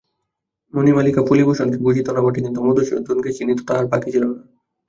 মণিমালিকা ফণিভূষণকে বুঝিত না বটে, কিন্তু মধুসূদনকে চিনিতে তাহার বাকি ছিল না।